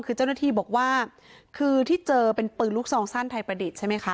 คือเจ้าหน้าที่บอกว่าคือที่เจอเป็นปืนลูกซองสั้นไทยประดิษฐ์ใช่ไหมคะ